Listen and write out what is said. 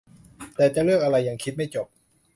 แต่จะเลือกอะไรยังคิดไม่จบ